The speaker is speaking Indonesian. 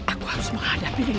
aku harus menghadapi dengan pedangku